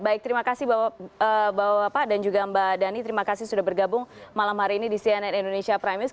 baik terima kasih bapak bapak dan juga mbak dhani terima kasih sudah bergabung malam hari ini di cnn indonesia prime news